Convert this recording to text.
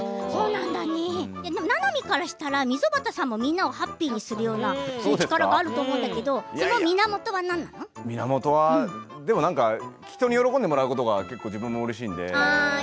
ななみからしたら溝端さんも、みんなをハッピーにするような力があると思うんだけど源は人に喜んでもらうことが自分もうれしいので。